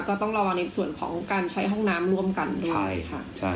ก็ต้องระวังในส่วนของการใช้ห้องน้ำร่วมกันด้วยใช่ค่ะ